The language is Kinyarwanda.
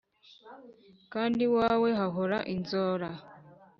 Kandi iwawe hahora inzora.